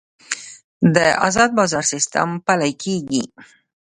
د ازاد بازار سیستم پلی کیږي